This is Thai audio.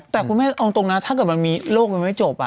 แต่คุณแม่เอาตรงนะถ้าเกิดมันมีโลกมันไม่จบ